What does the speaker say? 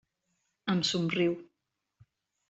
Em somriu.